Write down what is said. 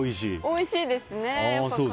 おいしいですね。